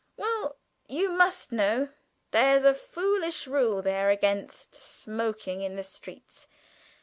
Well, you must know there's a foolish rule there against smoking in the streets.